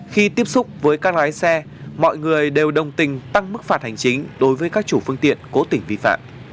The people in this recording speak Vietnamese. khi tiếp xúc với các lái xe mọi người đều đồng tình tăng mức phạt hành chính đối với các chủ phương tiện cố tình vi phạm